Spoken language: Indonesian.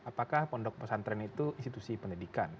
apakah pondok pesantren itu institusi pendidikan